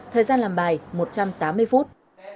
thời gian làm bài một trăm tám mươi phút